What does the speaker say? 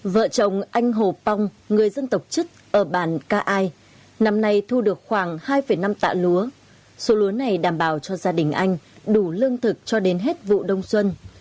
vợ chồng anh hồ pong người dân tộc chức ở bàn ca ai năm nay thu được khoảng hai năm tạ lúa số lúa này đảm bảo cho gia đình anh đủ lương thực cho đến hết vụ đông xuân